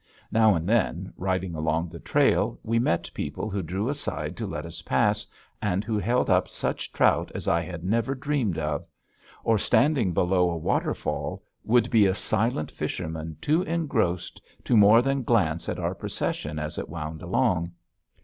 Now and then, riding along the trail, we met people who drew aside to let us pass, and who held up such trout as I had never dreamed of. Or, standing below a waterfall, would be a silent fisherman too engrossed to more than glance at our procession as it wound along.